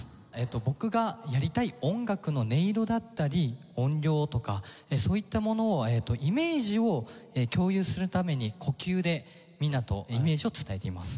僕がやりたい音楽の音色だったり音量とかそういったものをイメージを共有するために呼吸でみんなとイメージを伝えています。